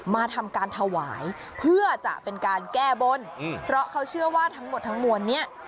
มาทำการถวายเพื่อจะเป็นการแก้บนเพราะเขาเชื่อว่าทั้งหมดทั้งมวลเนี้ย